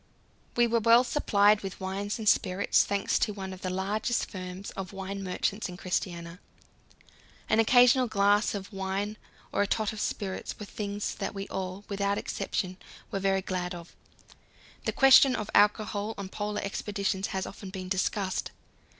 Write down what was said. We were well supplied with wines and spirits, thanks to one of the largest firms of wine merchants in Christiania. An occasional glass of wine or a tot of spirits were things that we all, without exception, were very glad of. The question of alcohol on Polar expeditions has often been discussed.